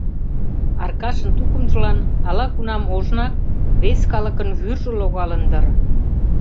Аркашын тукымжылан ала-кунам ожнак вес калыкын вӱржӧ логалын дыр.